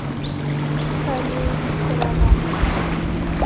ښار یې څراغاني کړ.